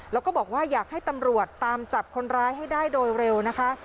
แล้วก็บอกว่าอยากให้ตำรวจตามจับคนร้ายให้ได้โดยเร็วนะคะ